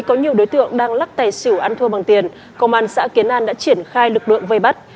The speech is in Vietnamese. có nhiều đối tượng đang lắc tài xỉu ăn thua bằng tiền công an xã kiến an đã triển khai lực lượng vây bắt